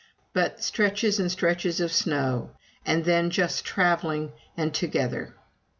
But stretches and stretches of snow! And then, just traveling, and together!